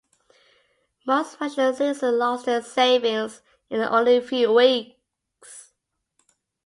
Most Russian citizens lost their savings in only a few weeks.